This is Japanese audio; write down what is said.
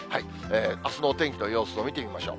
あすのお天気の様子を見てみましょう。